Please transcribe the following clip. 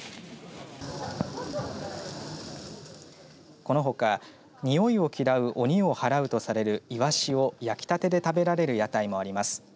このほか、においを嫌う鬼を払えるとされるいわしを焼きたてで食べられる屋台もあります。